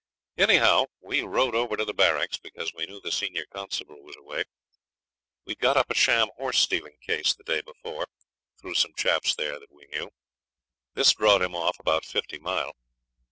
Anyhow we rode over to the barracks because we knew the senior constable was away. We'd got up a sham horse stealing case the day before, through some chaps there that we knew. This drawed him off about fifty mile.